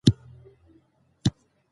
که قانون ولولو نو جریمه نه کیږو.